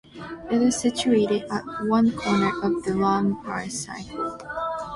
It is situated at one corner of the Rambagh Circle.